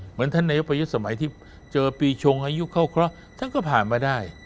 ท่านนายกประยุทธ์สมัยที่เจอปีชงอายุเข้าเคราะห์ท่านก็ผ่านมาได้